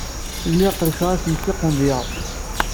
Lliɣ qellceɣ-asent i tqendyar.